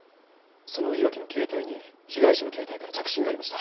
その岩城の携帯に被害者の携帯から着信がありました。